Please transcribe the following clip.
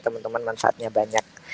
teman teman manfaatnya banyak